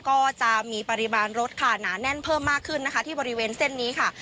ก็จะมีปริมาณรถค่ะหนาแน่นเพิ่มมากขึ้นนะคะที่บริเวณเส้นนี้ค่ะ